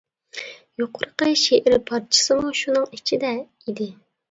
يۇقىرىقى شېئىر پارچىسىمۇ شۇنىڭ ئىچىدە ئىدى.